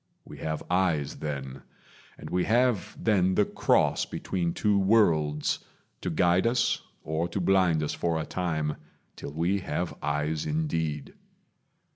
We have eyes then; And we have then the Cross between two worlds To guide us, or to blind us for a time, Till we have eyes indeed.